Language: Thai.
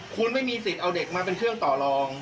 คุณไม่มีสิทธิ์เอาเด็กมาเป็นเครื่องต่อรอง